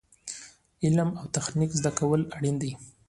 علم او تخنیک زده کول اړین دي